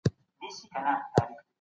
ده پښتانه د جهل پر ضد پوه کړل